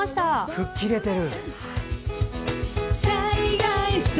吹っ切れてる！